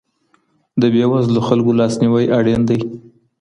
د بېوزلو خلګو لاسنیوی اړین دی.